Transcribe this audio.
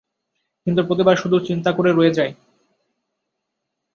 কিন্তু প্রতিবার শুধু, চিন্তা করে রয়ে যায়।